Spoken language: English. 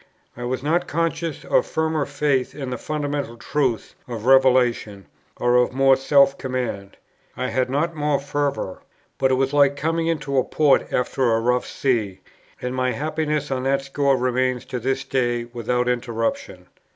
I was not conscious of firmer faith in the fundamental truths of Revelation, or of more self command; I had not more fervour; but it was like coming into port after a rough sea; and my happiness on that score remains to this day without interruption.